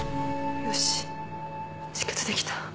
よし止血できた。